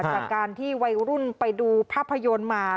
จากการที่วัยรุ่นไปดูภาพยนตร์มา